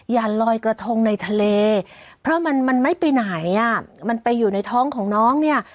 อย่าลอยกระทงในทะเลเพราะมันมันไม่ไปไหนอ่ะมันไปอยู่ในท้องของน้องเนี่ย